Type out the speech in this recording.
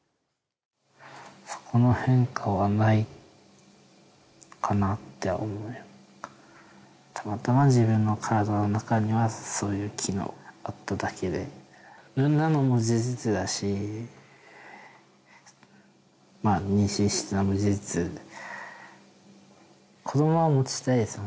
そこの変化はないかなって思いはたまたま自分の体の中にはそういう機能があっただけで産んだのも事実だしまあ妊娠してたのも事実子どもは持ちたいです